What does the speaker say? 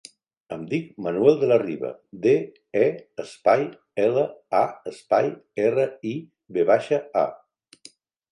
Em dic Manuel De La Riva: de, e, espai, ela, a, espai, erra, i, ve baixa, a.